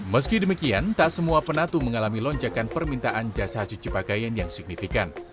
meski demikian tak semua penatu mengalami lonjakan permintaan jasa cuci pakaian yang signifikan